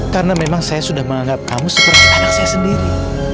karena memang saya sudah menganggap kamu seperti anak saya sendiri